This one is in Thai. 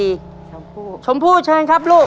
เพื่อชิงทุนต่อชีวิตสุด๑ล้านบาท